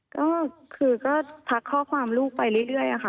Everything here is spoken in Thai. ก็คือก็ทักข้อความลูกไปเรื่อยค่ะ